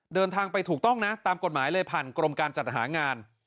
เดินทางไปถูกต้องนะตามกฎหมายเลยผ่านกรมการจัดหางาน